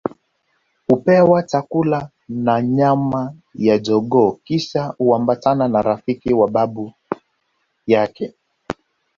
Hupewa chakula na nyama ya jogoo kisha huambatana na rafiki wa babu yake